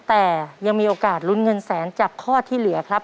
แต่ยังมีโอกาสลุ้นเงินแสนจากข้อที่เหลือครับ